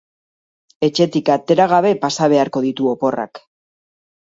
Etxetik atera gabe pasa beharko ditu oporrak.